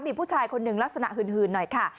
มีผู้ชายคนหนึ่งลักษณะหื่นหน่อยค่ะ